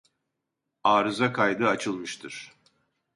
Arıza kaydı açılmıştır